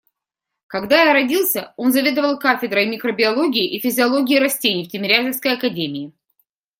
Когда я родился, он заведовал кафедрой микробиологии и физиологии растений в Тимирязевской академии.